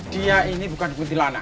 dia ini bukan kuntilanak